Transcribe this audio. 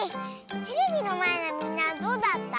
テレビのまえのみんなはどうだった？